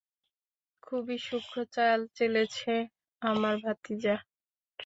খুবই সূক্ষ চাল চেলেছে আমার ভাতিজা।